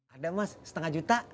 ada mas setengah juta